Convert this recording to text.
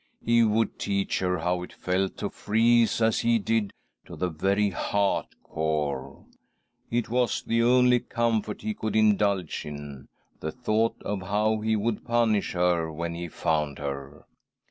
He would teach her how it felt to freeze, as he did, to the " very heart core. , SISTER' EDITH PLEADS WITH DEATH 125 " It was the only comfort he could indulge in — the thought of how he would punish her when he found her.